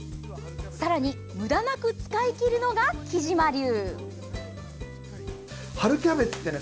さらに、無駄なく使い切るのがきじま流！